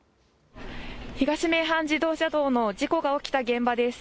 東名阪自動車道の事故が起きた現場です。